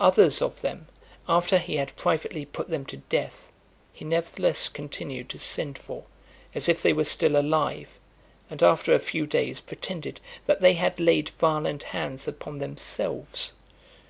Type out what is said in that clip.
Others of them, after he had privately put them to death, he nevertheless continued to send for, as if they were still alive, and after a few days pretended that they had laid violent hands upon themselves.